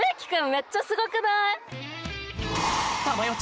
めっちゃすごくない？